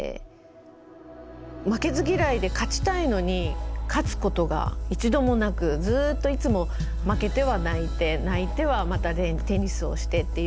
負けず嫌いで勝ちたいのに勝つことが一度もなくずっといつも負けては泣いて泣いてはまたテニスをしてっていう繰り返しで。